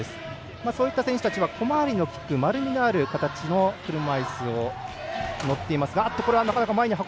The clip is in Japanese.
そういった選手たちは小回りの利く丸みのある車いすに乗っています。